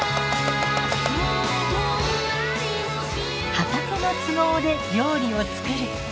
畑の都合で料理を作る。